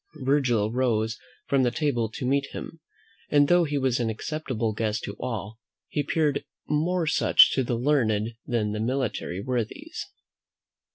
Virgil rose from the table to meet him; and though he was an acceptable guest to all, he appeared more such to the learned than the military worthies.